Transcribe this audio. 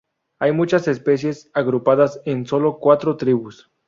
Hay muchas especies agrupadas en sólo cuatro tribus.